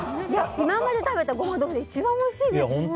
今まで食べたゴマ豆腐で一番おいしいですよ。